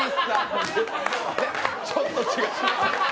ちょっと違う。